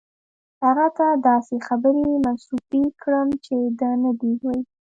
هغه ته داسې خبرې منسوبې کړم چې ده نه دي ویلي.